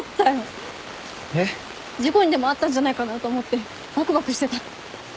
事故にでも遭ったんじゃないかなと思ってバクバクしてた。